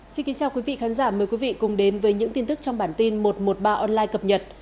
xin kính chào quý vị khán giả mời quý vị cùng đến với những tin tức trong bản tin một trăm một mươi ba online cập nhật